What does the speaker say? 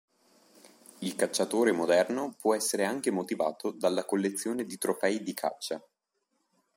Il cacciatore moderno può essere anche motivato dalla collezione di trofei di caccia.